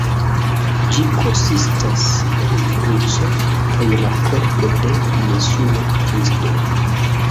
Ĝi konsistas el kruco kaj la korpo de Jesuo Kristo.